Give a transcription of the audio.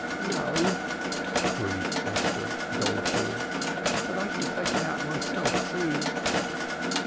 "No," breathed Esther dolefully. "But I shall take it out myself soon."